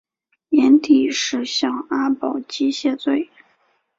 寅底石向阿保机谢罪。